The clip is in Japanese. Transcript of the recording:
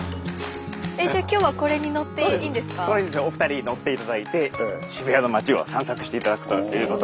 これにですねお二人乗って頂いて渋谷の街を散策して頂くということに。